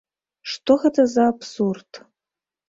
Што гэта за абсурд?